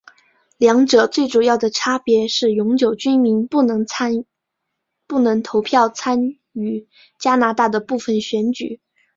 两者最主要的差别是永久居民不能投票参与加拿大的部分选举。